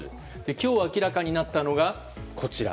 今日、明らかになったのがこちら。